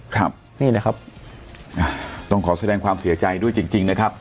ครับนี่นะครับต้องขอแสดงความเสียใจด้วยจริงจริงนะครับ